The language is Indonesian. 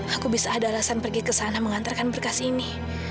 aku bisa ada alasan pergi ke sana mengantarkan berkas ini